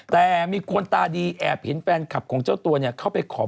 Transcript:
แต่มีคนตาดีแอบเห็นแฟนคลับของเจ้าตัวเนี่ยเข้าไปขอ